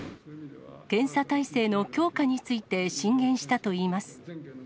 検査体制の強化について進言したといいます。